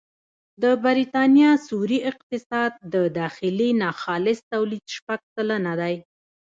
د بریتانیا سیوري اقتصاد د داخلي ناخالص توليد شپږ سلنه دی